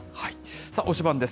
推しバン！です。